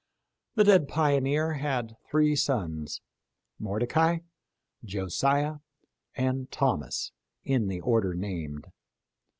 The dead pioneer had three sons, Mordecai, Josiah, and Thomas, in the order named.